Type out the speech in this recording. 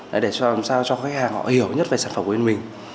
làm sao cho khách hàng họ hiểu nhất về sản phẩm của bên mình